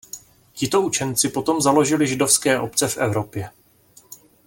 Tito učenci potom založili židovské obce v Evropě.